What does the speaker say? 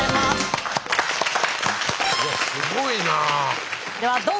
すごいなあ。